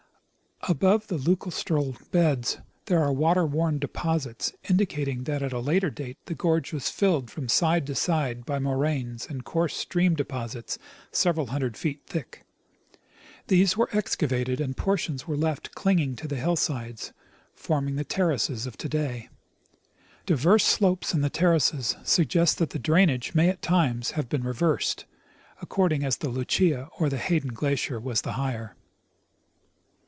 Above the lacustral beds there are water worn deposits, indicating that at a later date the gorge was filled from side to side by moraines and coarse stream clej^osits several hundred feet thick. These were excavated, and portions were left clinging to the hill sides, forming the terraces of to day. Diverse slopes in the terraces suggest that the drainage may at times have been reversed, ac cording as the Lucia or the Hayden glacier was the higher.